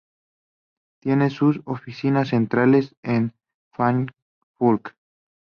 Tiene sus oficinas centrales en Frankfurt.